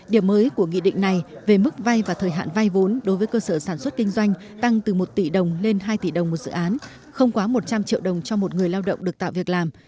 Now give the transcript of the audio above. điểm mới của nghị định này về mức vay và thời hạn vay vốn đối với cơ sở sản xuất kinh doanh tăng từ một tỷ đồng lên hai tỷ đồng một dự án không quá một trăm linh triệu đồng cho một người lao động được tạo việc làm